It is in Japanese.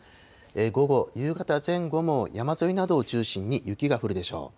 午後、夕方前後も山沿いなどを中心に雪が降るでしょう。